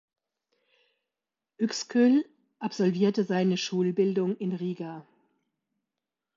Uexküll absolvierte seine Schulbildung in Riga.